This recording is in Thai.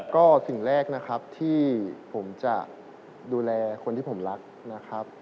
ก็สิ่งแรกนะครับที่ผมจะดูแลคนที่ผมรักนะครับ